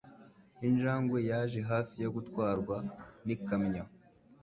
Injangwe yaje hafi yo gutwarwa n'ikamyo.